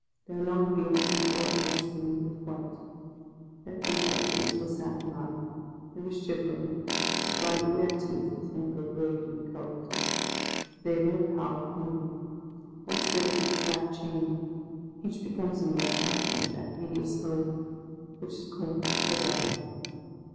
Their long beards and short hair streamed with wet; their complexions were saturnine; they were shivering, and grind ing their teeth with mingled rage and cold. But they had no power of moving; once riveted to that chain, each be comes a mere fraction of that hideous whole which is called the Gang.